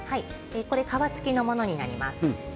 皮付きのものになります。